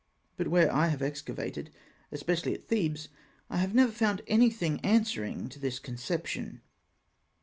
] But where I have excavated, especially at Thebes, I have never found anything answering to this conception.